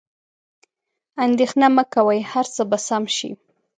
اندیښنه مه کوئ، هر څه به سم شي.